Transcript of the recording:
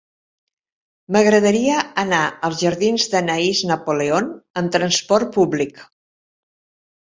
M'agradaria anar als jardins d'Anaïs Napoleon amb trasport públic.